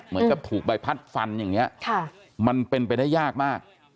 เหมือนกับถูกใบพัดฟันอย่างนี้มันเป็นไปได้ยากมาก